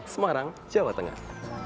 semarang jawa tengah